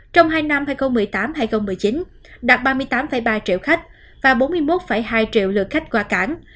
trong hai năm hai nghìn một mươi tám hai nghìn một mươi chín đạt ba mươi tám ba triệu khách và bốn mươi một hai triệu lượt khách qua cảng